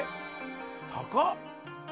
高っ！